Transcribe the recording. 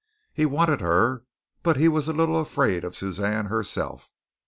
He wanted her, but he was a little afraid of Suzanne herself.